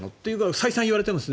再三言われてますよね